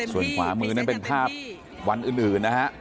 ส่วนขวามือนั่นเป็นภาพวันอื่นนะฮะ